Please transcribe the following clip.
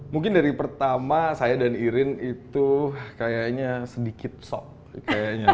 mungkin dari pertama saya dan irene itu kayaknya sedikit shock